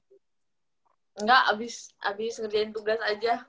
enggak habis ngerjain tugas aja